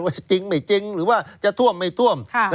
จริงไม่จริงหรือว่าจะท่วมไม่ท่วม